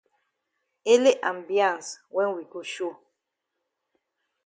Ele ambiance wen we go show.